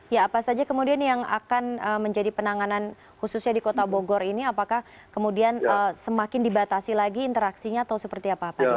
ya apa saja kemudian yang akan menjadi penanganan khususnya di kota bogor ini apakah kemudian semakin dibatasi lagi interaksinya atau seperti apa pak